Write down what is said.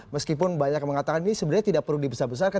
meskipun banyak yang mengatakan ini sebenarnya tidak perlu dibesarkan